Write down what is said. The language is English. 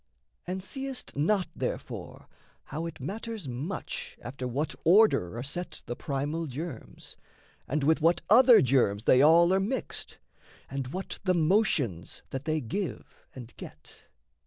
And seest not, therefore, how it matters much After what order are set the primal germs, And with what other germs they all are mixed, And what the motions that they give and get?